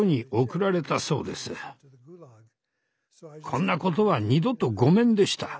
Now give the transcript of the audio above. こんなことは二度とごめんでした。